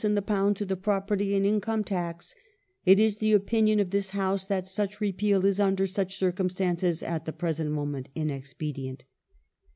in the £ to the property and income tax, it is the opinion of this House that such repeal is, under such circumstances, at the present moment inexpedient